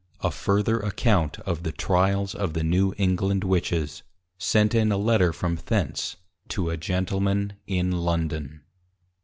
A FURTHER ACCOUNT OF THE TRYALS OF THE NEW ENGLAND WITCHES, SENT IN A LETTER FROM THENCE, TO A GENTLEMAN IN LONDON.